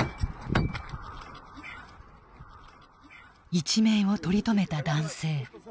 一命を取り留めた男性。